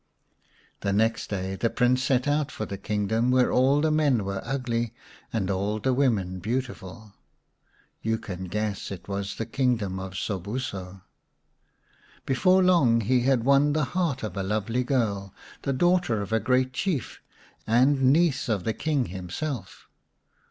The next day the Prince set out for the kingdom where all the men were ugly and all the women beautiful ; you can guess it was the kingdom of Sobuso. Before long he had won the heart of a lovely girl, the daughter of a great Chief, and niece of the King himself.